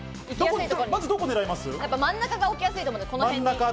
まず真ん中が置きやすいので、この辺。